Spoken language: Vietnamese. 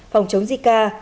phòng chống zika